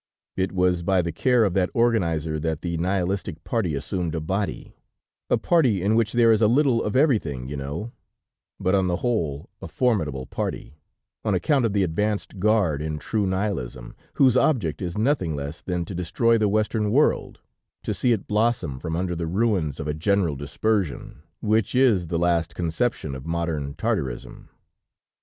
It was by the care of that organizer that the Nihilistic party assumed a body; a party in which there is a little of everything, you know; but on the whole, a formidable party, on account of the advanced guard in true Nihilism, whose object is nothing less than to destroy the Western world, to see it blossom from under the ruins of a general dispersion, which is the last conception of modern Tartarism.